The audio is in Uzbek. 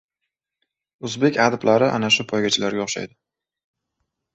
O‘zbek adiblari ana shu poygachilarga o‘xshaydi.